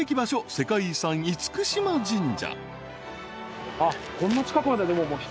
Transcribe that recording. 世界遺産嚴島神社］